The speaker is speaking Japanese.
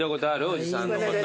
おじさんのこと。